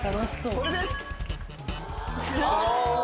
これです。